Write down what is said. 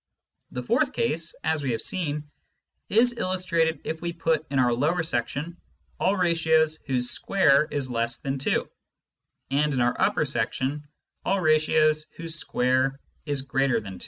The fourth case, as we have seen, is illustrated if we put in our lower section all ratios whose square is less than 2, and in our upper section all ratios whose square is greater than 2.